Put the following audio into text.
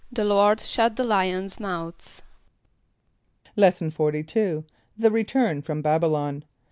=The Lord shut the lions' mouths.= Lesson XLII. The Return from Babylon.